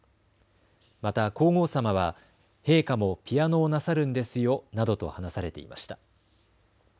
また皇后さまは陛下もピアノをなさるんですよなどと話されていました。